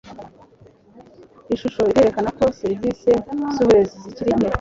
i shusho irerekana ko serivisi z uburezi zikiri nke